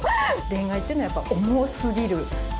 恋愛っていうのは、やっぱり重すぎる。